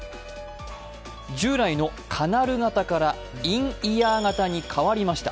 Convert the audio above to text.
従来のカナル型からインイヤー型に変わりました。